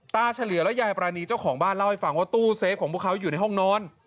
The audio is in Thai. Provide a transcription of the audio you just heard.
เฉลี่ยและยายปรานีเจ้าของบ้านเล่าให้ฟังว่าตู้เซฟของพวกเขาอยู่ในห้องนอน